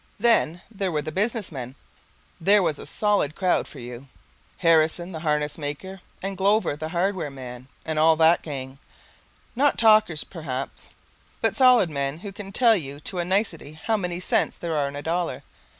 Then there were the business men there was a solid crowd for you, Harrison, the harness maker, and Glover, the hardware man, and all that gang, not talkers, perhaps, but solid men who can tell you to a nicety how many cents there are in a dollar.